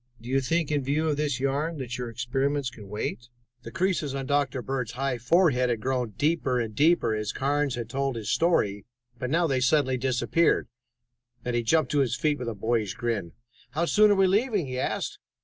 Do you think, in view of this yarn, that your experiments can wait?" The creases on Dr. Bird's high forehead had grown deeper and deeper as Carnes had told his story, but now they suddenly disappeared, and he jumped to his feet with a boyish grin. "How soon are we leaving?" he asked.